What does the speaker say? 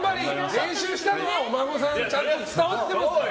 練習したのはお孫さんにちゃんと伝わってますから。